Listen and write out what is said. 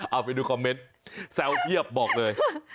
เอาไปดูคอมเมนต์แซวเยียบบอกเลย